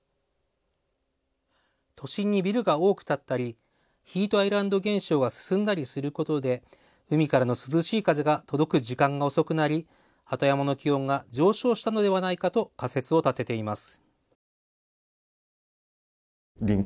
都心にビルが多く建ったりヒートアイランド現象が進んだりすることで海からの涼しい風が届く時間が遅くなり鳩山の気温が上昇したのではないかという仮説を立てています。